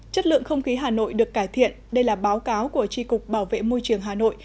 chất lượng không khí hà nội được cải thiện đây là báo cáo của tri cục bảo vệ môi trường hà nội